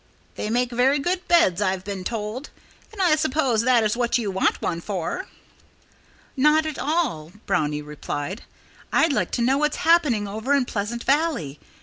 "They make very good beds, I've been told. And I suppose that is what you want one for." "Not at all!" Brownie replied. "I'd like to know what's happening over in Pleasant Valley.